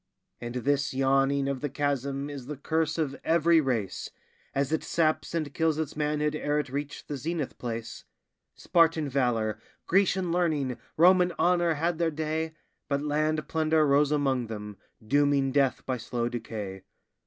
And this yawning of the chasm is the curse of every race, As it saps and kills its manhood ere it reach the zenith place; Spartan valor, Grecian learning, Roman honor had their day, But land plunder rose among them, dooming death by slow decay.